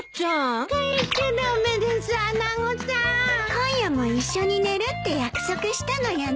今夜も一緒に寝るって約束したのよね。